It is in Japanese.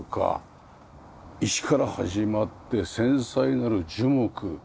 石から始まって繊細なる樹木。